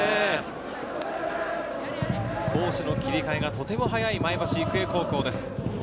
攻守の切り替えがとても早い前橋育英高校です。